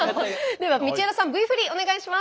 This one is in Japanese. では道枝さんＶ振りお願いします。